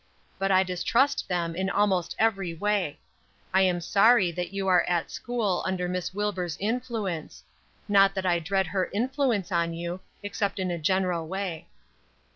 But I distrust them in almost every way. I am sorry that you are at school, under Miss Wilbur's influence; not that I dread her influence on you, except in a general way."